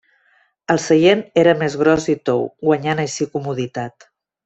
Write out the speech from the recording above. El seient era més gros i tou, guanyant així comoditat.